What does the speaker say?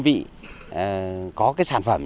sau khi chúng tôi quản bảo